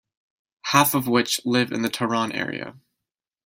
Half of which live in the Tehran area.